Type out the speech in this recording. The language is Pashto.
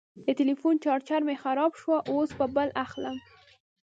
د ټلیفون چارجر مې خراب شو، اوس به بل اخلم.